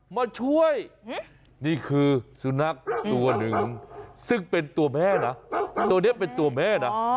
มาช่วยนี่คือสุนัขตัวหนึ่งซึ่งเป็นตัวแม่นะตัวนี้เป็นตัวแม่นะ